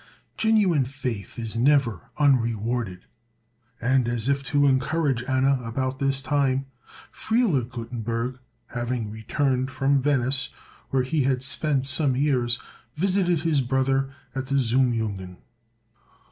Genuine faith is never unrewarded; and as if to encourage Anna, about this time Friele Gutenberg, having returned from Venice, where he had spent some years, visited his brother at the Zum Jungen.